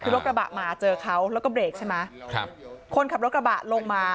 คือรถกระบะมาเจอเขาแล้วก็เบรกใช่ไหมครับคนขับรถกระบะลงมา